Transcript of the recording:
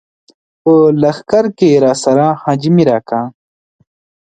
په لښکر کې راسره حاجي مير اکا.